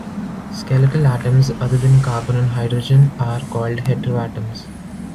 Skeletal atoms other than carbon or hydrogen are called heteroatoms.